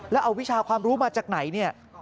แล้วเอาวิชาความรู้มาจากไหนเนี่ย